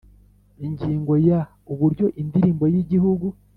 Ingingo ya uburyo indirimbo y igihugu